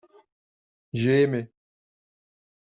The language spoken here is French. J’ai aimé.